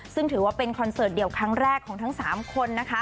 ซึ่งถือว่าเป็นคอนเสิร์ตเดี่ยวครั้งแรกของทั้ง๓คนนะคะ